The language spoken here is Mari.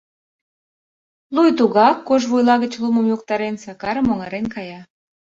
Луй тугак, кож вуйла гыч лумым йоктарен, Сакарым оҥарен кая.